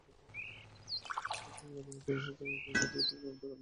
সর্বশেষ গাজীপুর চৌরাস্তা এলাকার একটি বাসা থেকে তাঁকে গ্রেপ্তার করা হয়।